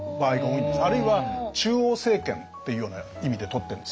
あるいは中央政権っていうような意味で通ってるんですよね。